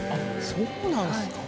そうなんですか。